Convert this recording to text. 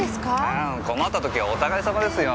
あ困った時はお互い様ですよ。